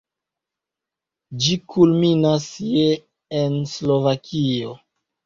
Ĝi kulminas je en Slovakio.